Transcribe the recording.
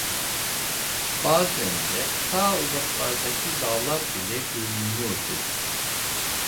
Bazen de ta uzaklardaki dağlar bile görünüyordu.